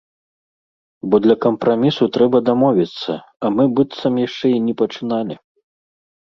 Бо для кампрамісу трэба дамовіцца, а мы быццам яшчэ і не пачыналі.